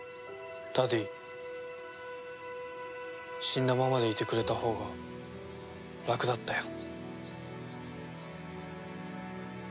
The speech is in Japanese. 死んだままでいてくれたほうが楽だったよ。